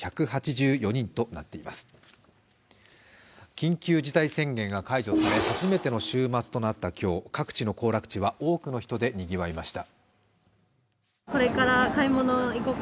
緊急事態宣言が解除され初めての週末となった今日、各地の行楽地は多くの人でにぎわいました。